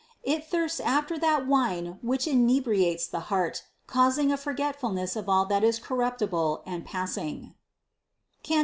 It thirsts after that wine which inebriates the heart, causing a forgetfulness of all that is corruptible and pass ing (Cant.